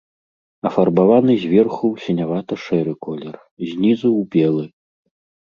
Афарбаваны зверху ў сінявата-шэры колер, знізу ў белы.